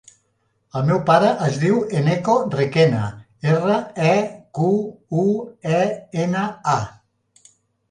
El meu pare es diu Eneko Requena: erra, e, cu, u, e, ena, a.